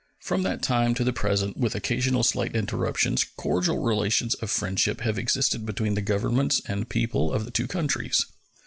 From that time to the present, with occasional slight interruptions, cordial relations of friendship have existed between the Governments and people of the two countries.